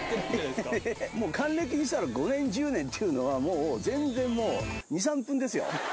還暦にしたら５年１０年っていうのはもう全然もう２３分ですよ